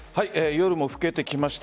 夜も更けてきました。